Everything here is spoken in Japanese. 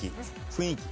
雰囲気。